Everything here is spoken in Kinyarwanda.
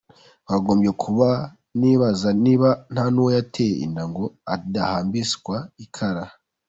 twakagombye kuba nibaza niba ntanuwo yateye inda ngo adahambishwa ikara.